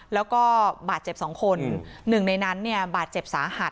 แล้วก็บาดเจ็บ๒คนหนึ่งในนั้นเนี่ยบาดเจ็บสาหัส